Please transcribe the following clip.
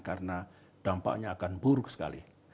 karena dampaknya akan buruk sekali